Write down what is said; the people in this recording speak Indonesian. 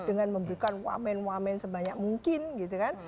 dengan memberikan wamen wamen sebanyak mungkin gitu kan